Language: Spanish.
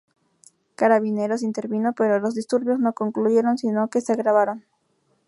Carabineros intervino, pero los disturbios no concluyeron, sino que se agravaron.